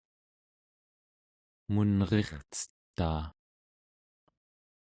emunrircetaa